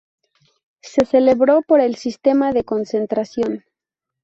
Se celebró por el sistema de Concentración.